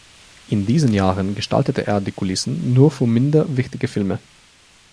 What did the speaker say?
In diesen Jahren gestaltete er die Kulissen nur für minder wichtige Filme.